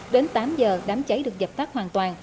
đến tám giờ đám cháy được dập tắt hoàn toàn